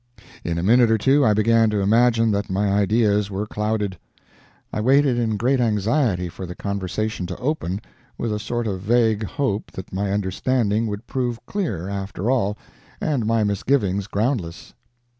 In a minute or two I began to imagine that my ideas were clouded. I waited in great anxiety for the conversation to open, with a sort of vague hope that my understanding would prove clear, after all, and my misgivings groundless.